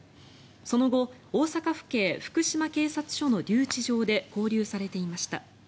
その後大阪府警福島警察署の留置場で勾留されていました。